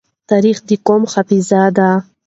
تاریخ د قوم حافظه ده.